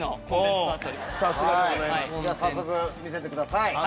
じゃあ早速見せてください。